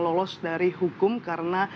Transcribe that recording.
lolos dari hukum karena